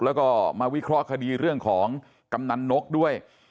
แล้วก็มาวิเคราะห์คดีเรื่องของกำนันนกด้วย